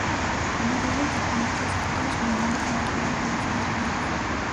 A mediados de junio casi todos los juveniles han dejado las madrigueras.